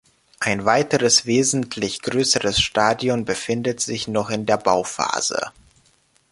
Ein weiteres wesentlich größeres Stadion befindet sich noch in der Bauphase.